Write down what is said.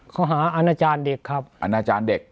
ข้อหาอาณาจารย์เด็กครับอาณาจารย์เด็ก